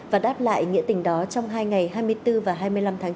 và đáp lại nghĩa tình đó trong hai ngày hai mươi bốn và hai mươi năm tháng chín